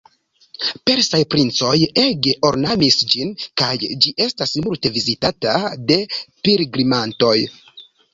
Persaj princoj ege ornamis ĝin, kaj ĝi estas multe vizitata de pilgrimantoj.